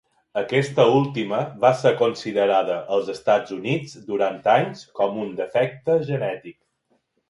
Aquesta última va ser considerada als Estats Units durant anys com un defecte genètic.